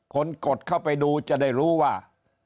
กดเข้าไปดูจะได้รู้ว่า